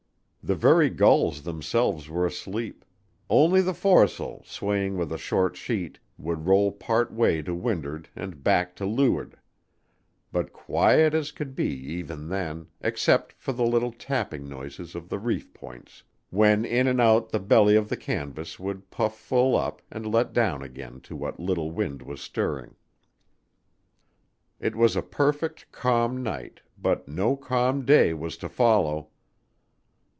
The very gulls themselves were asleep; only the fores'l, swaying to a short sheet, would roll part way to wind'ard and back to loo'ard, but quiet as could be even then, except for the little tapping noises of the reef points when in and out the belly of the canvas would puff full up and let down again to what little wind was stirring. It was a perfect, calm night, but no calm day was to follow.